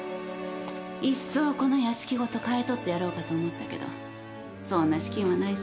いっそこの屋敷ごと買い取ってやろうかと思ったけどそんな資金はないし。